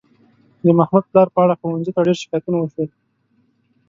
د محمود پلار په اړه ښوونځي ته ډېر شکایتونه وشول.